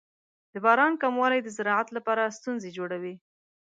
د باران کموالی د زراعت لپاره ستونزې جوړوي.